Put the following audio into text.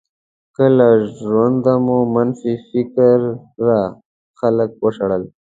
که له ژونده مو منفي فکره خلک وشړل.